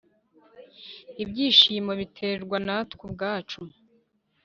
ibyishimo biterwa natwe ubwacu.